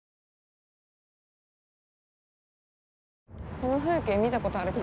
この風景見たことある気がした。